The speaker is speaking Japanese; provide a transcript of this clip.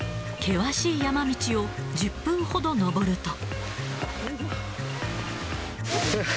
険しい山道を１０分ほど登ると。